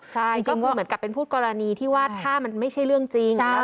ใช่ก็คือเหมือนกับเป็นพูดกรณีที่ว่าถ้ามันไม่ใช่เรื่องจริง